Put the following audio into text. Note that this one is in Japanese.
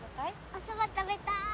お蕎麦食べたい！